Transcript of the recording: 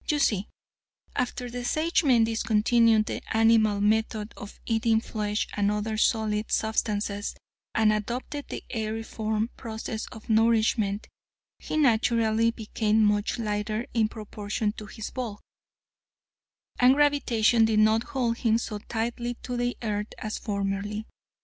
You see, after the Sagemen discontinued the animal method of eating flesh and other solid substances and adopted the aeriform process of nourishment, he naturally became much lighter in proportion to his bulk, and gravitation did not hold him so tightly to the earth as formerly.